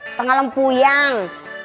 setengah lempu yang